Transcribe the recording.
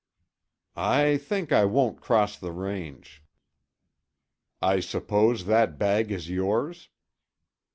"I think I won't cross the range. I suppose that bag is yours?"